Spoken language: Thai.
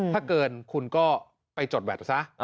ถ้าเกินคุณก็ไปจดแวดซะ